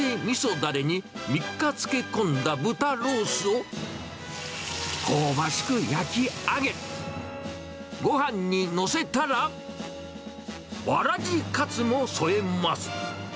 だれに３日漬け込んだ豚ロースを、香ばしく焼き上げ、ごはんに載せたら、わらじかつも添えます。